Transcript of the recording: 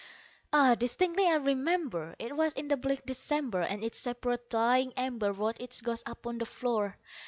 Ah, distinctly I remember it was in the bleak December, And each separate dying ember wrought its ghost upon the floor.